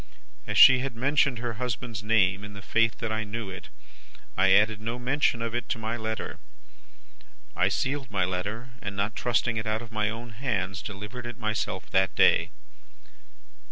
"As she had mentioned her husband's name in the faith that I knew it, I added no mention of it to my letter. I sealed my letter, and, not trusting it out of my own hands, delivered it myself that day.